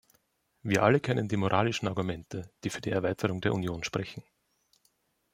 Wir alle kennen die moralischen Argumente, die für die Erweiterung der Union sprechen.